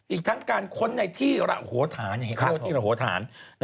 อีกทั้งการค้นในที่ระโหทานอย่างนี้ครับที่ระโหทาน